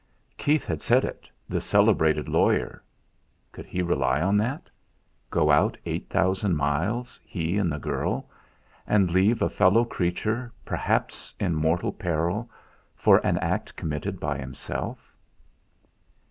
Keith had said it the celebrated lawyer! Could he rely on that? Go out 8,000 miles, he and the girl, and leave a fellow creature perhaps in mortal peril for an act committed by himself?